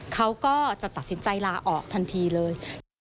เขาก็จะตัดสินใจลาออกทันทีเลย